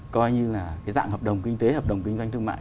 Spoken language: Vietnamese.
coi như là cái dạng hợp đồng kinh tế hợp đồng kinh doanh thương mại